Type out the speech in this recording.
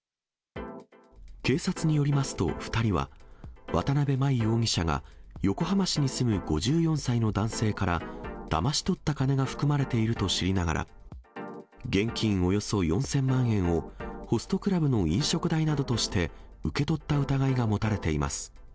警察によりますと、２人は、渡辺真衣容疑者が横浜市に住む５４歳の男性からだまし取った金が含まれていると知りながら、現金およそ４０００万円を、ホストクラブの飲食代などとして受け取った疑いが持たれています。